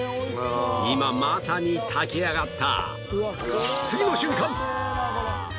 今まさに炊き上がった